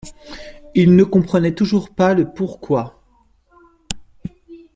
Il ne comprenait toujours pas le pourquoi.